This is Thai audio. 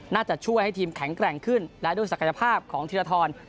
น่าจะช่วยให้ทีมแข็งแกร่งขึ้นและด้วยศักยภาพของธีรทร